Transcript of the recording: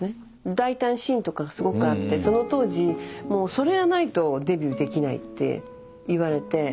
大胆シーンとかがすごくあってその当時もうそれやらないとデビューできないって言われて。